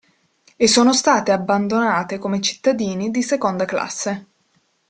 E sono state abbandonate come cittadini di seconda classe.